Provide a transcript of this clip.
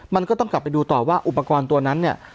มันก็ต้องกลับไปดูต่อว่าอุปกรณ์ตัวนั้นเนี่ย